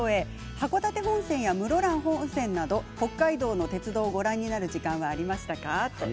函館本線や室蘭本線など北海道の鉄道をご覧になる時間はありましたか？